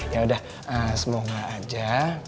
ya udah semoga aja